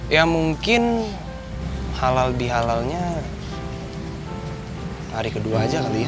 ya mungkin halal bihalalnya hari kedua aja kali ya